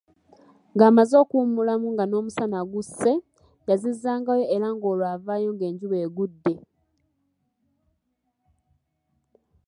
Ng’amaze okuwummulamu nga n’omusana gusse, yazizzangayo era ng’olwo avaayo ng’enjuba egudde.